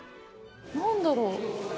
何だろう？